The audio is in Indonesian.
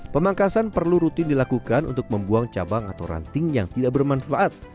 pemangkasan perlu rutin dilakukan untuk membuang cabang atau ranting yang tidak bermanfaat